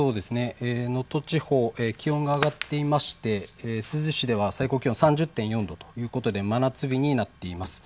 能登地方、気温が上がっていまして、珠洲市では最高気温３０．４度ということで真夏日になっています。